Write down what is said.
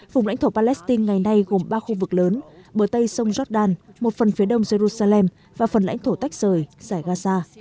vùng lãnh thổ palestine ngày nay gồm ba khu vực lớn bờ tây sông jordan một phần phía đông jerusalem và phần lãnh thổ tách rời giải gaza